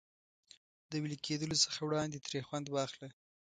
د وېلې کېدلو څخه وړاندې ترې خوند واخله.